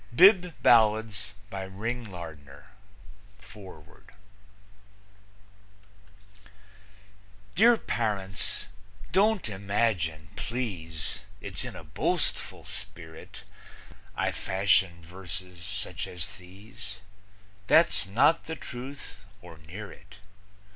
F. VOLLAND & CO. NEW YORK CHICAGO TORONTO FOREWORD Dear Parents: Don't imagine, please, It's in a boastful spirit I fashion verses such as these; That's not the truth or near it.